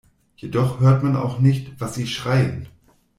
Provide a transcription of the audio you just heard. Jedoch hört man auch nicht, was sie schreien.